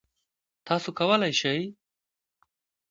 تاسو کولی شئ